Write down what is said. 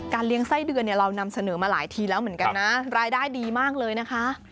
เลี้ยงไส้เดือนเนี่ยเรานำเสนอมาหลายทีแล้วเหมือนกันนะรายได้ดีมากเลยนะคะ